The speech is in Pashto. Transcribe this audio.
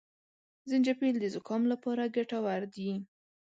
زنجپيل د زکام لپاره ګټور دي